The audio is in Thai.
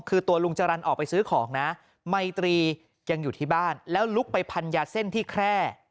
คือตัวลุงจรรย์ออกไปซื้อของนะไมตรียังอยู่ที่บ้านแล้วลุกไปพันยาเส้นที่แคร่